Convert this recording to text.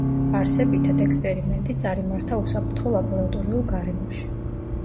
არსებითად, ექსპერიმენტი წარიმართა უსაფრთხო ლაბორატორიულ გარემოში.